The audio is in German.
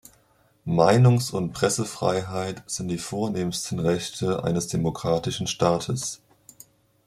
Meinungs- und Pressefreiheit sind die vornehmsten Rechte eines demokratischen Staates.